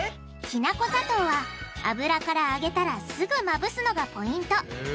きな粉砂糖は油からあげたらすぐまぶすのがポイント。